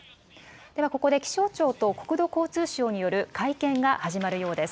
ではここで、気象庁と国土交通省による会見が始まるようです。